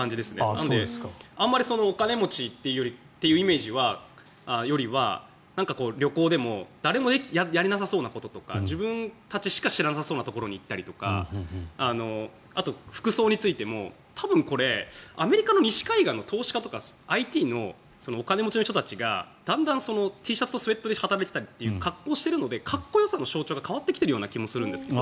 なので、あまりお金持ちっていうイメージよりは旅行でも誰もやれなさそうなこととか自分たちしか知らなそうなところに行ったりとかあと、服装についても多分これアメリカの西海岸の投資家とかＩＴのお金持ちの人たちがだんだんＴシャツとスウェットで働いたりというそういう格好をしているのでかっこよさの象徴が変わってきていたりすると思うんですけど。